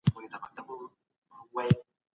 نوی نسل بايد د تېر تاريخ پاڼې واړوي.